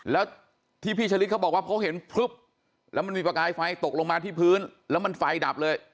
แล้วที่พี่ชะลิดเขาบอกว่าเขาเห็นพลึบแล้วมันมีประกายไฟตกลงมาที่พื้นแล้วมันไฟดับเลย